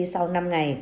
sau năm ngày